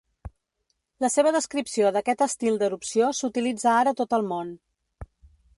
La seva descripció d'aquest estil d'erupció s'utilitza ara a tot el món.